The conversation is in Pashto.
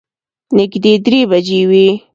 نږدې درې بجې وې.